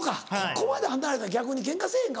ここまで離れたら逆にケンカせぇへんか。